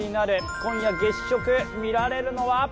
今夜月食、見られるのは？